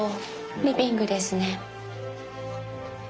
リビングですね。